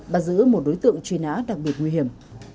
bắt giữ một đối tượng truy nã đặc biệt nguy hiểm